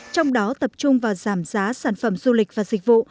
trong đó tập trung vào giảm giá sản phẩm du lịch và dịch vụ